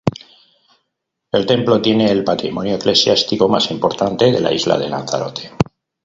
El templo tiene el patrimonio eclesiástico más importante de la isla de Lanzarote.